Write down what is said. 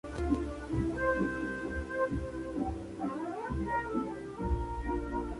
Semillas numerosas, reticuladas, con costillas longitudinales y estrías transversales, de amarillo-parduscas a negruzcas.